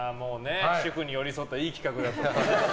主婦に寄り添ったいい企画だと思います。